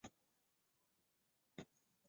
世界图书之都共同评选而出。